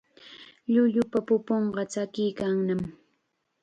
Llullupa pupunqa tsakiykannam.